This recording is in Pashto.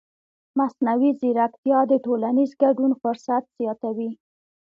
مصنوعي ځیرکتیا د ټولنیز ګډون فرصت زیاتوي.